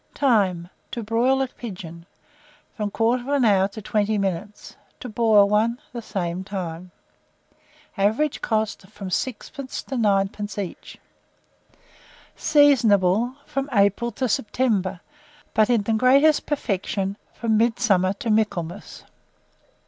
Time. To broil a pigeon, from 1/4 hour to 20 minutes; to boil one, the same time. Average cost, from 6d. to 9d. each. Seasonable from April to September, but in the greatest perfection from midsummer to Michaelmas.